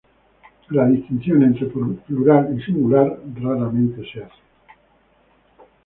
La distinción entre plural y singular raramente se hace.